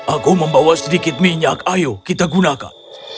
aku membawa sedikit minyak ayo kita gunakan